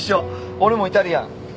俺もイタリアン。